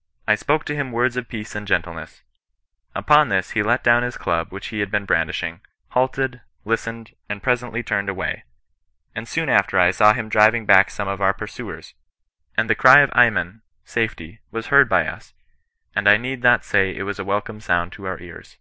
" I spoke to him words of peace and gentleness. Upon this he let down his club which he had been brandish ing, halted, listened, and presently turned away ; and soon after I saw him driving back some of our pursuers, suid the cry of ayman (safety) was heard by us ; and I need not say it was a welcome sound to our ears.